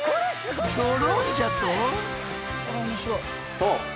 そう。